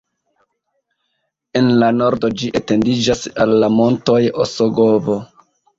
En la nordo ĝi etendiĝas al la montoj Osogovo.